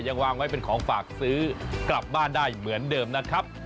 ยังวางไว้เป็นของฝากซื้อกลับบ้านได้เหมือนเดิมนะครับ